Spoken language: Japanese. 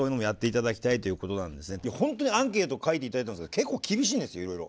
ホントにアンケート書いて頂いたんですけど結構厳しいんですよいろいろ。